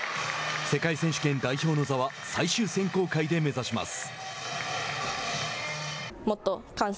世界選手権代表の座は最終選考会で目指します。